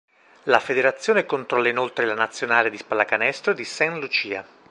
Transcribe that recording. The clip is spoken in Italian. La federazione controlla inoltre la nazionale di pallacanestro di Saint Lucia.